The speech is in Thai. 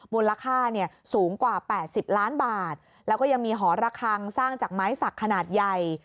มูลค่าสูงกว่า๘๐ล้านบาทแล้วก็ยังมีหอระคังสร้างจากไม้สักขนาดใหญ่